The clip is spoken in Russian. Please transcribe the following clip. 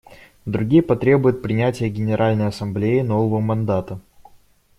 Другие потребуют принятия Генеральной Ассамблеей нового мандата.